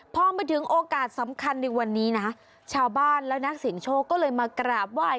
พอมาถึงโอกาสสำคัญในวันนี้นะชาวบ้านและนักเสียงโชคก็เลยมากราบไหว้